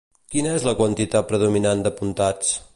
Quina és la quantitat predominant d'apuntats?